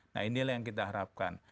nah inilah yang kita harapkan